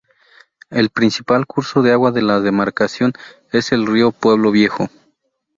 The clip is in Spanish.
El principal curso de agua de la demarcación es el río Pueblo viejo.